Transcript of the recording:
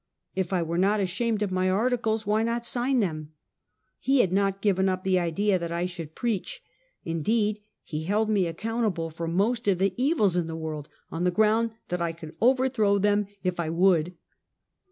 If I were not ashamed of my articles, why not sign them ? He had not given up the idea that 1 should preach. Indeed, he held me accounta ble for most of the evils in the world, on the ground that I could overthrow them if I would.